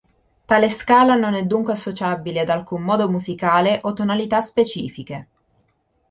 Tale scala non è dunque associabile ad alcun modo musicale o tonalità specifiche.